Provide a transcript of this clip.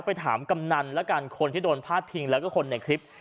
ไปถามกำนันแล้วกันคนที่โดนพาดพิงแล้วก็คนในคลิป